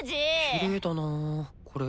きれいだなこれ。